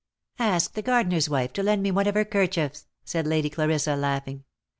" Ask the gardener's wife to lend me one of her kerchiefs," said Lady Clarissa, laughing.